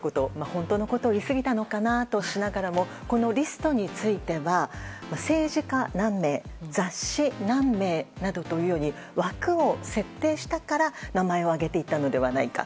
本当のことを言いすぎたのかなとしながらもこのリストについては政治家、何名雑誌、何名などというように枠を設定したから名前を挙げていたのではないか。